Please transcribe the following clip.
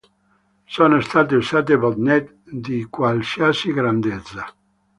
Sono state usate Botnet di qualsiasi grandezza.